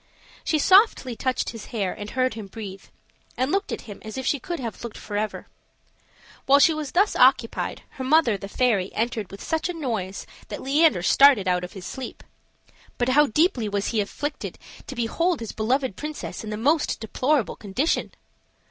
She softly touched his hair, and heard him breathe, and looked at him as if she could have looked forever. While she was thus occupied, her mother, the fairy entered with such a noise that Leander started out of his sleep. But how deeply was he afflicted to behold his beloved princess in the most deplorable condition!